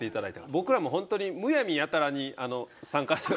僕らも本当にむやみやたらに参加お願いしてるわけでは。